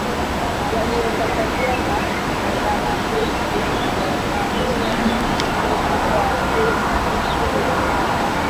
yaliokataliwa na waandaajiwa kipindi cha Shilawadu Fiesta mwaka elfu mbili kumi na saba